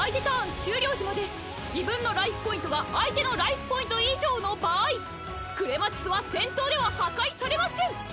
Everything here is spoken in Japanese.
ターン終了時まで自分のライフポイントが相手のライフポイント以上の場合クレマチスは戦闘では破壊されません！！